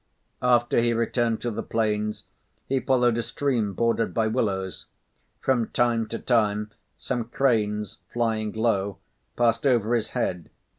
After he returned to the plains, he followed a stream bordered by willows. From time to time, some cranes, flying low, passed over his head.